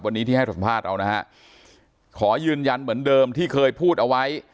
วันนี้ที่ให้สัมภาษณ์เอานะฮะขอยืนยันเหมือนเดิมที่เคยพูดเอาไว้